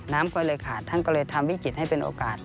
น้ำก็เลยขาดท่านก็เลยทำวิกฤตให้เป็นโอกาส